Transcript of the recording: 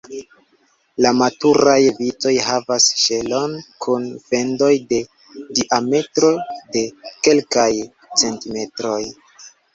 La maturaj vitoj havas ŝelon kun fendoj de diametro de kelkaj centimetroj.